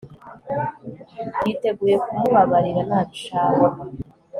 yiteguye kumubabarira nabishaka